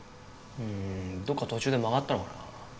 うーんどっか途中で曲がったのかな。